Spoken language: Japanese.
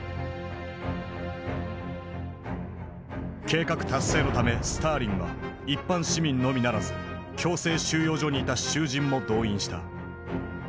計画達成のためスターリンは一般市民のみならず強制収容所にいた囚人も動員した。